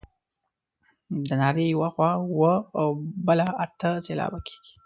د نارې یوه خوا اووه او بله اته سېلابه کیږي.